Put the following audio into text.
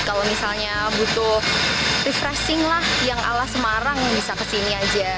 kalau misalnya butuh refreshing lah yang ala semarang bisa kesini aja